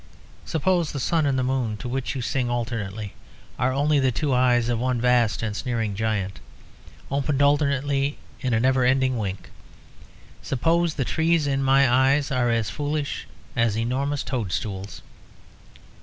Suppose the sun and the moon, to which you sing alternately, are only the two eyes of one vast and sneering giant, opened alternately in a never ending wink. Suppose the trees, in my eyes, are as foolish as enormous toad stools.